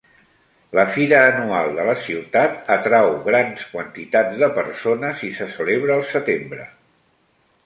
La fira anual de la ciutat atrau grans quantitats de persones i se celebra al setembre.